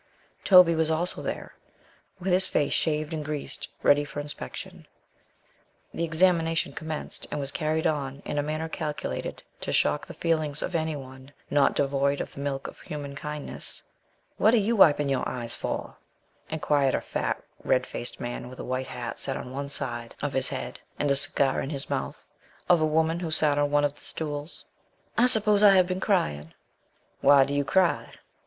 Toby was also there, with his face shaved and greased, ready for inspection. The examination commenced, and was carried on in a manner calculated to shock the feelings of any one not devoid of the milk of human kindness. "What are you wiping your eyes for?" inquired a fat, red faced man, with a white hat set on one side of his head, and a cigar in his mouth, of a woman who sat on one of the stools. "I s'pose I have been crying." "Why do you cry?"